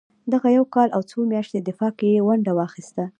دغه یو کال او څو میاشتني دفاع کې یې ونډه واخیسته.